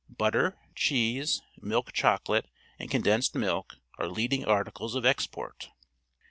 Butter, cheese, milk chocolate, and condensed milk are leading articles of export.